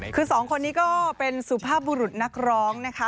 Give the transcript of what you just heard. คือสองคนนี้ก็เป็นสุภาพบุรุษนักร้องนะคะ